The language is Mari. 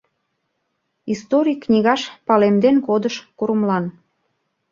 Историй книгаш палемден кодыш курымлан